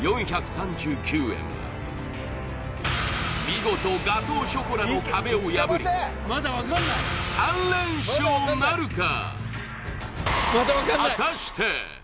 見事ガトーショコラの壁を破り３連勝なるか？